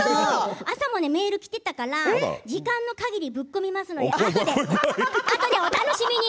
朝もメールが来ていたから時間の限りぶっ込みますからあとでお楽しみに。